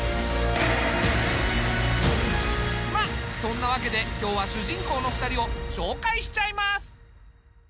まあそんなわけで今日は主人公の２人を紹介しちゃいます。